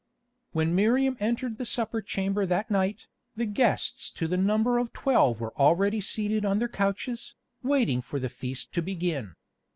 When Miriam entered the supper chamber that night, the guests to the number of twelve were already seated on their couches, waiting for the feast to begin.